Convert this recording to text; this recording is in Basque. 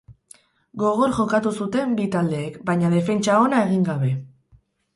Gogor jokatu zuten bi taldeek, baina defentsa ona egin gabe.